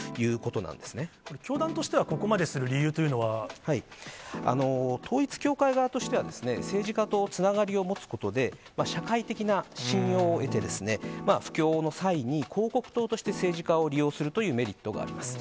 これ、教団としては、ここま統一教会側としては、政治家とつながりを持つことで、社会的な信用を得て、布教の際に、広告塔として、政治家を利用するというメリットがあります。